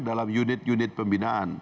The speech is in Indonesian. dalam unit unit pembinaan